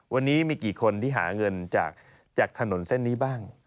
วันนี้มีกี่คนที่หาเงินจากถนนเส้นนี้บ้าง